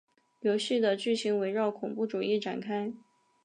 游戏的剧情围绕恐怖主义展开。